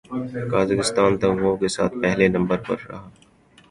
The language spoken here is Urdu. قازقستان تمغوں کے ساتھ پہلے نمبر پر رہا